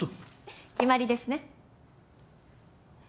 決まりですね。